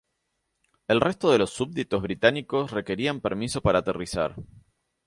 El resto de los súbditos británicos requerían permiso para aterrizar.